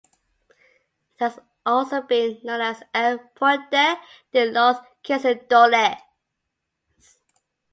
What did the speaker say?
It has also been known as El Puente de Los Conquistadores.